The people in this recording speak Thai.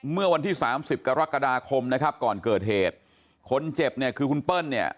เมื่อวันที่สามสิบกรกฎาคมนะครับก่อนเกิดเหตุคนเจ็บเนี่ยคือคุณเปิ้ลเนี่ย